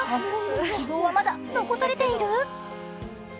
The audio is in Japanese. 希望はまだ残されている？